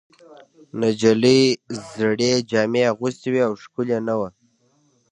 نجلۍ زړې جامې اغوستې وې او ښکلې نه وه.